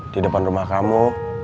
di depan rumah kamu